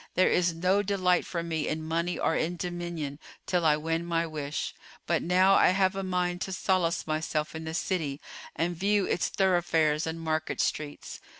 There is no delight for me in money or in dominion till I win my wish: but now I have a mind to solace myself in the city and view its thoroughfares and market streets."